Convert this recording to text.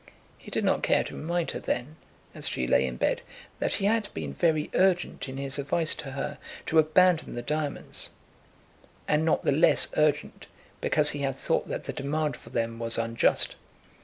He did not care to remind her then, as she lay in bed, that he had been very urgent in his advice to her to abandon the diamonds, and not the less urgent because he had thought that the demand for them was unjust.